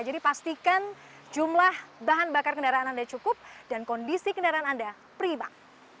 jadi pastikan jumlah bahan bakar kendaraan anda cukup dan kondisi kendaraan anda pribak